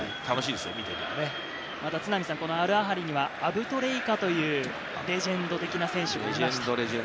アルアハリにはアブトレイカというレジェンド的な選手もいました。